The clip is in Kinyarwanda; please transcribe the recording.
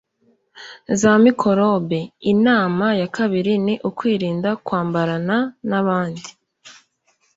za mikorobe, inama ya kabiri ni ukwirinda kwambarana n'abandi